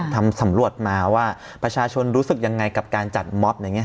ทำสำรวจมาว่าประชาชนรู้สึกยังไงกับการจัดม็อบอย่างนี้